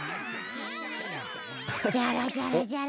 ジャラジャラジャラ。